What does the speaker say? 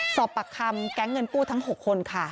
สอบปรับคำแง่งเงินผู้ทั้ง๖ค่ะ